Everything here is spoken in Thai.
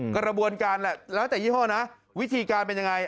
กระบวนการแหละแล้วแต่ยี่ห้อนะวิธีการเป็นยังไง